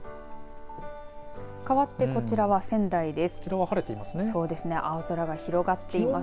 かわってこちらは仙台です。